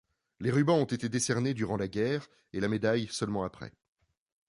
Les rubans ont été décernés durant la guerre et le médaille seulement après.